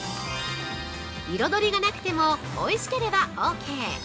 ◆彩りがなくてもおいしければオーケー！